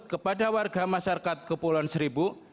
kepada warga masyarakat kepulauan seribu